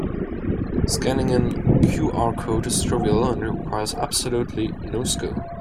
Scanning a QR code is trivial and requires absolutely no skill.